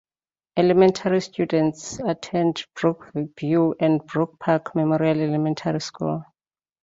Elementary students attend Brookview or Brook Park Memorial elementary school.